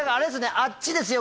あっちですよ